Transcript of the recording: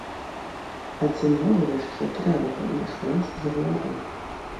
А ці многа яшчэ трэба, каб наш прэс загаварыў?